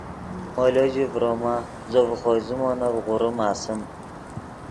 مولو ژے ڤروما زو ڤے خوئے زیمونف غوریم آسیم